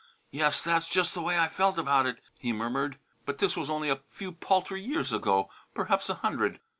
"Yes, that's just the way I felt about it," he murmured. "But this was only a few paltry years ago, perhaps a hundred.